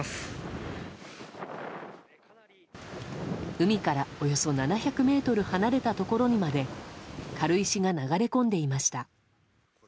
海から、およそ７００ｍ離れたところにまで軽石が流れ込んでいました。